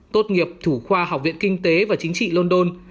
tốt nghiệp thủ khoa học viện kinh tế và chính trị london